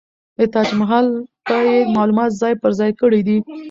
د تاج محل په يې معلومات ځاى په ځاى کړي دي.